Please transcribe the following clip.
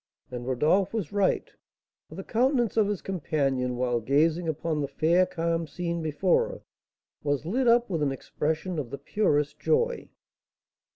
And Rodolph was right; for the countenance of his companion, while gazing upon the fair, calm scene before her, was lit up with an expression of the purest joy.